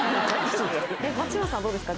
松島さん、どうですか？